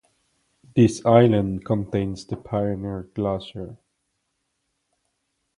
This island contains the Pioneer Glacier.